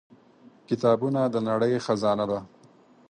• کتابونه د نړۍ خزانه ده.